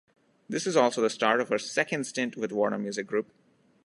This is also the start of her second stint with Warner Music Group.